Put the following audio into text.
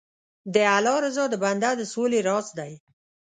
د الله رضا د بنده د سولې راز دی.